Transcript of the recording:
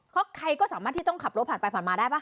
เพราะใครก็สามารถที่ต้องขับรถผ่านไปผ่านมาได้ป่